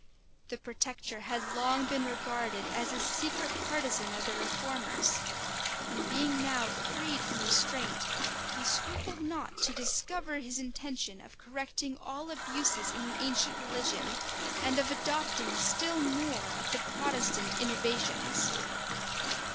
The protector had long been regarded as a secret partisan of the reformers; and being now freed from restraint, he scrupled not to discover his intention of correcting all abuses in the ancient religion, and of adopting still more of the Protestant innovations.